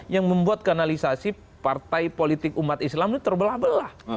yang membuat kanalisasi partai politik umat islam itu terbelah belah